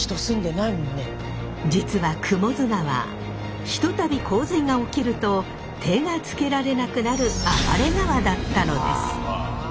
実は雲出川一たび洪水が起きると手がつけられなくなる暴れ川だったのです。